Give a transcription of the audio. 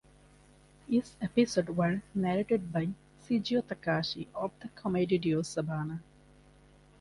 Each episode were narrated by Shigeo Takahashi of the comedy duo Savanna.